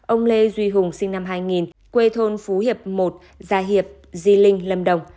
ông lê duy hùng sinh năm hai nghìn quê thôn phú hiệp một gia hiệp di linh lâm đồng